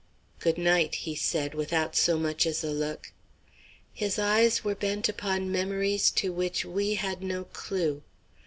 "Good night," he said, without so much as a look. His eyes were bent upon memories to which we had no clue.